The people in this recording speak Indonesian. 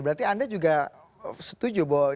berarti anda juga setuju bahwa